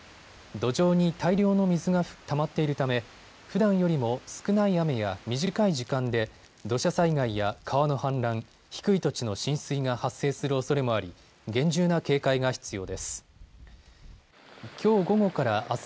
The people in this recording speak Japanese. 土壌に大量の水がたまっているためふだんよりも少ない雨や短い時間で土砂災害や川の氾濫、低い土地の浸水が発生するおそれもあり厳重な警戒が必要です。